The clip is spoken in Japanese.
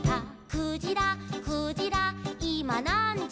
「クジラクジラいまなんじ」